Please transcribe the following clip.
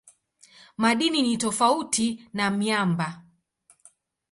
Madini ni tofauti na miamba.